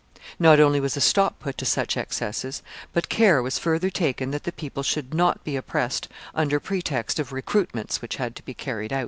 Not only was a stop put to such excesses, but care was further taken that the people should not be oppressed under pretext of recruitments which had to be carried out."